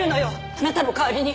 あなたの代わりに。